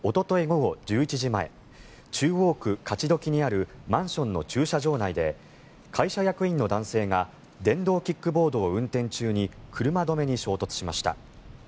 午後１１時前中央区勝どきにあるマンションの駐車場内で会社役員の男性が電動キックボードを運転中に車止めに衝突しました。